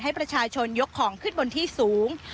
ให้ประชาชนยกของขึ้นบนที่สูง